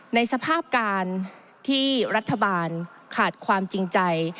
ในสภาพการที่รัฐบาลขาดความจริงใจ